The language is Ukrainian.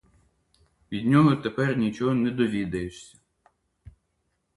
Від нього тепер нічого не довідаєшся.